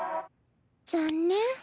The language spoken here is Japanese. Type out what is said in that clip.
残念。